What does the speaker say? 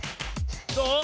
どう？